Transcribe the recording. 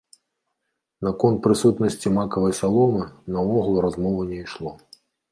Наконт прысутнасці макавай саломы наогул размовы не ішло.